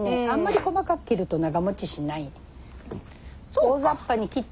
あんまり細かく切ると長もちしない。